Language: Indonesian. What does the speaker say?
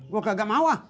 gue kagak mau ah